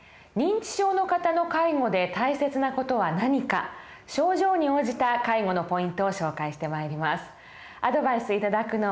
認知症の方の介護で大切な事は何か症状に応じた介護のポイントを紹介してまいります。